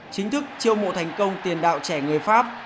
chính thức chiêu mộ thành công tiền đạo trẻ người pháp